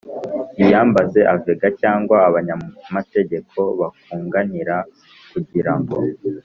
iyambaze avega cyangwa abanyamategeko bakunganira kugira ngo :